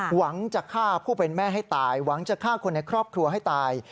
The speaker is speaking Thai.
หวังจะฆ่าผู้เป็นแม่ให้ตายหวังจะฆ่าคนในครอบครัวให้ตาย